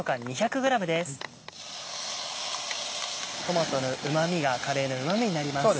トマトのうま味がカレーのうま味になります。